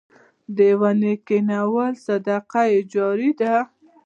د ونو کینول صدقه جاریه ده.